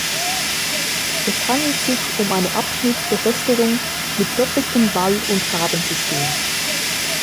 Es handelt sich um eine Abschnittsbefestigung mit doppeltem Wall- und Grabensystem.